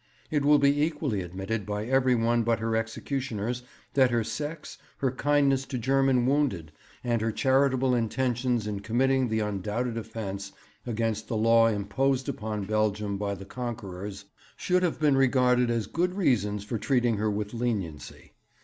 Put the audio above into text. It will be equally admitted by every one but her executioners that her sex, her kindness to German wounded, and her charitable intentions in committing the undoubted offence against the law imposed upon Belgium by the conquerors should have been regarded as good reasons for treating her with leniency.